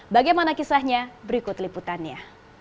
bagaimana kisahnya berikut liputannya